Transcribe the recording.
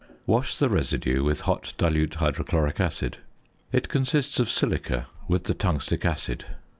Wash the residue with hot dilute hydrochloric acid. It consists of silica with the tungstic acid.